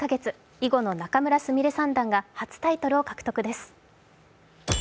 囲碁の仲邑菫三段が初タイトルを獲得です。